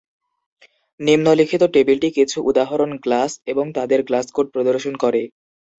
নিম্নলিখিত টেবিলটি কিছু উদাহরণ গ্লাস এবং তাদের গ্লাস কোড প্রদর্শন করে।